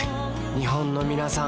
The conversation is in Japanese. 日本のみなさん